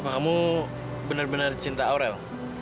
apa kamu bener bener cinta aurel